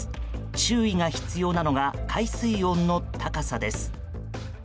注意が必要なのが海水温の高さです。